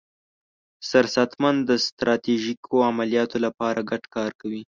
سرساتنمن د ستراتیژیکو عملیاتو لپاره ګډ کار کوي.